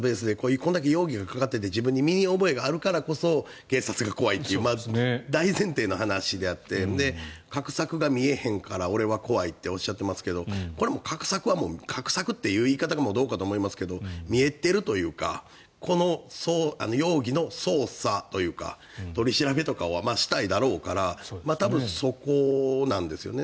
こんんだけ容疑がかかっていて自分に身に覚えがあるからこそ警察が怖いっていう大前提の話であって画策が見えへんから俺は怖いって言っていますけどこれも画策はもう画策という言い方がどうかと思いますが見えてるというかこの容疑の捜査というか取り調べとかをしたいだろうから多分そこなんですよね。